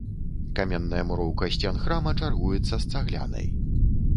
Каменная муроўка сцен храма чаргуецца з цаглянай.